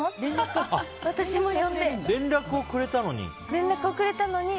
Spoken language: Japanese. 連絡をくれたのに？